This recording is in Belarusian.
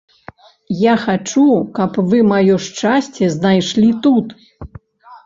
Я хачу, каб вы маё шчасце знайшлі тут.